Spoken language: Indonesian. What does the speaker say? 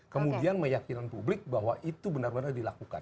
kemudian meyakinan publik bahwa itu benar benar dilakukan